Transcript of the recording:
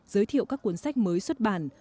giới thiệu các cuốn sách mới xuất bản